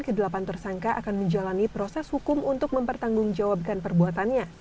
kedelapan tersangka akan menjalani proses hukum untuk mempertanggungjawabkan perbuatannya